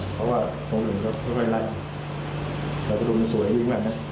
ครับผมดูน้ำมาสวยมาก